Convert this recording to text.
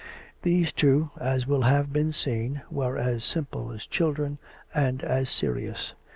These two, as will have been seen, were as simple as children, and as serious.